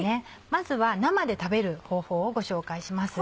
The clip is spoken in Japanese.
まずは生で食べる方法をご紹介します。